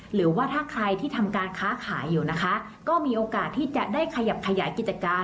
หรือว่าถ้าใครที่ทำการค้าขายอยู่นะคะก็มีโอกาสที่จะได้ขยับขยายกิจการ